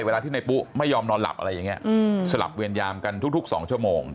เวลาที่นายปุ๊ไม่ยอมนอนหลับสลับเวรยามกันทุก๒ชั่วโมง